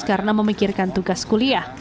karena memikirkan tugas kuliah